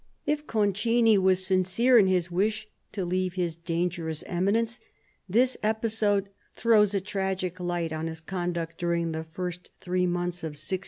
If Concini was sincere in his wish to leave his dangerous eminence, this episode throws a tragic light on his conduct during the first three months of 1617.